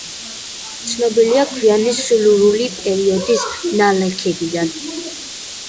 ცნობილია გვიანი სილურული პერიოდის ნალექებიდან.